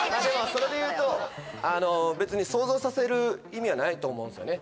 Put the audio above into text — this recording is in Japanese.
それでいうと別に想像させる意味はないと思うんですよね